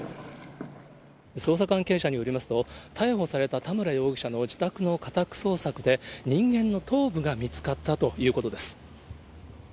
捜査関係者によりますと、逮捕された田村容疑者の自宅の家宅捜索で、人間の頭部が見つかったということです。